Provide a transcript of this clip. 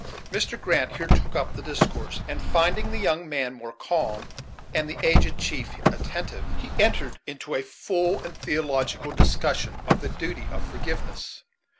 Mr. Grant here took up the discourse, and, finding the young man more calm, and the aged chief attentive, he entered into a full and theological discussion of the duty of forgiveness.